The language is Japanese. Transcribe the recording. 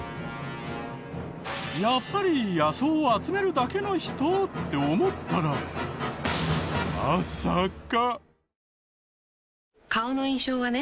やっぱり野草を集めるだけの人って思ったらまさか。